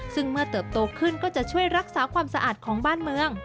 ซึ่งเมื่อเติบโตขึ้นก็จะช่วยรักษาความสะอาดของบ้านเมือง